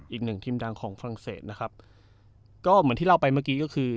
อีกหนึ่งทีมดังของฝรั่งเศสนะครับก็เหมือนที่เล่าไปเมื่อกี้ก็คือ